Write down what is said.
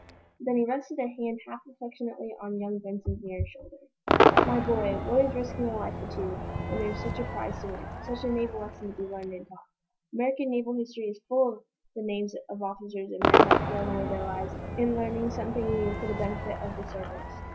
Then he rested a hand half affectionately on young Benson's nearer shoulder. "My boy, what is risking a life or two, when there's such a prize to win such a naval lesson to be learned and taught? American naval history is full of the names of officers and men who have thrown away their lives in learning something new for the benefit of the service."